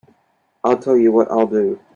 I'll tell you what I'll do.